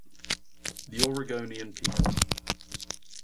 The Oregonian people.